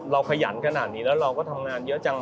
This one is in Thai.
ขยันขนาดนี้แล้วเราก็ทำงานเยอะจัง